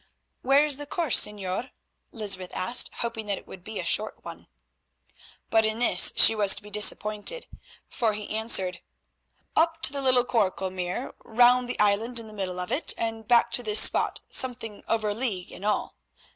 "Where is the course, Señor?" Lysbeth asked, hoping that it would be a short one. But in this she was to be disappointed, for he answered: "Up to the little Quarkel Mere, round the island in the middle of it, and back to this spot, something over a league in all.